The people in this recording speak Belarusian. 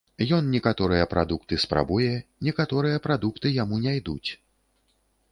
Ён некаторыя прадукты спрабуе, некаторыя прадукты яму не ідуць.